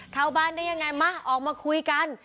เข้าบ้านได้ยังไงมาออกมาคุยกัน